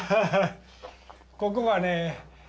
ここがね